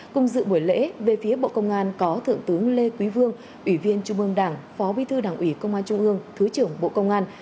cùng dự buổi lễ về phía bộ công an có thượng tướng lê quý vương ủy viên trung ương đảng phó bí thư đảng ủy công an trung ương thứ trưởng bộ công an